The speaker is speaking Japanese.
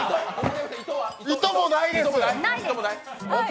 糸もないです！